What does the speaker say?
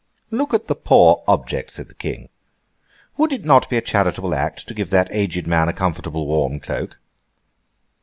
'Look at the poor object!' said the King. 'Would it not be a charitable act to give that aged man a comfortable warm cloak?